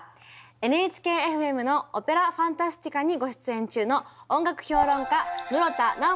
ＮＨＫーＦＭの「オペラ・ファンタスティカ」にご出演中のよろしくお願いします。